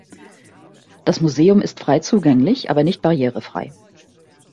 Das Museum ist frei zugänglich, aber nicht barrierefrei.